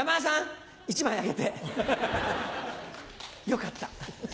よかった。